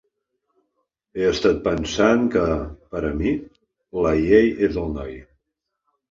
He estat pensant que, per a mi, la llei és el noi.